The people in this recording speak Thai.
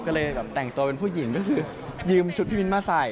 ก็เลยแบบแต่งตัวเป็นผู้หญิงก็คือยืมชุดพี่มิ้นมาใส่